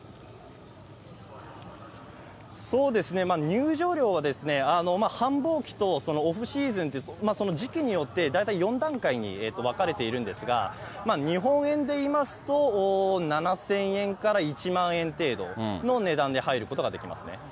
そうですね、入場料はですね、繁忙期とオフシーズンと、その時期によって大体４段階に分かれているんですが、日本円でいいますと、７０００円から１万円程度の値段で入ることができますね。